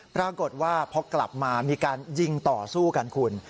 ปรากฏว่าพอกลับมามีการยิงต่อสู้กันคุณ